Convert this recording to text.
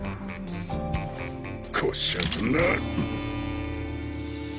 こしゃくな。